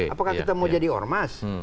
apakah kita mau jadi ormas